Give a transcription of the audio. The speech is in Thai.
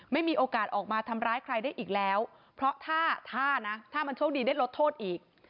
ไม่มีโอกาสออกมาทำร้ายใครได้อีกแล้วเพราะถ้านะถ้ามันโชคดีได้ลดโทษอีก